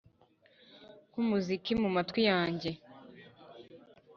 nkumuziki mumatwi yanjye